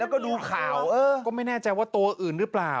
แล้วก็ดูข่าวก็ไม่แน่ใจว่าตัวอื่นหรือเปล่า